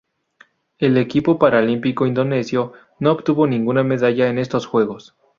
El equipo paralímpico indonesio no obtuvo ninguna medalla en estos Juegos.